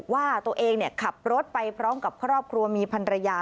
ว่าตัวเองขับรถไปพร้อมกับครอบครัวมีพันรยา